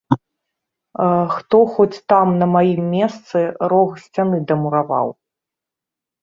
Хто хоць там на маім месцы рог сцяны дамураваў?